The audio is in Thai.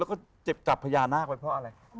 แล้วก็เจ็บกับพญานาคไว้เพราะอะไร